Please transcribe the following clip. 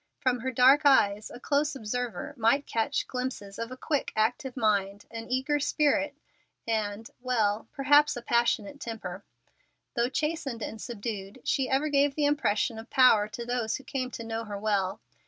From her dark eyes a close observer might catch glimpses of a quick, active mind, an eager spirit, and well, perhaps a passionate temper. Though chastened and subdued, she ever gave the impression of power to those who came to know her well.